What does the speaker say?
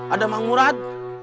ada mang murad